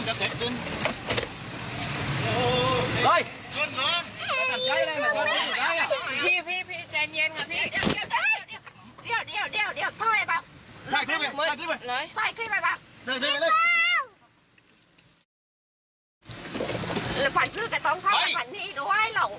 ใส่ขึ้นไปเดี๋ยว